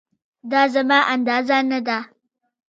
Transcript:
دا زما اندازه نه ده